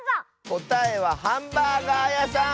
こたえはハンバーガーやさん！